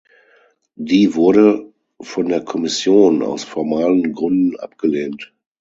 Die wurde von der Kommission „aus formalen Gründen“ abgelehnt.